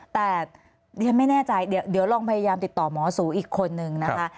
แต่ดิฉันไม่แน่ใจเดี๋ยวลองพยายามติดต่อหมอสูอีกคนนึงนะคะ